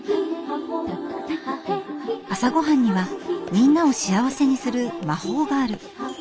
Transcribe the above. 朝ごはんにはみんなを幸せにする魔法がある。